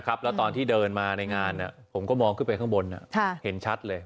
แล้วตอนที่เดินมาในงานผมก็มองขึ้นไปข้างบนเห็นชัดเลย